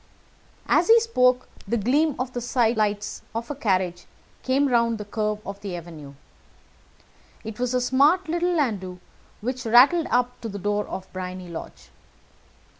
As he spoke, the gleam of the sidelights of a carriage came round the curve of the avenue. It was a smart little landau which rattled up to the door of Briony Lodge.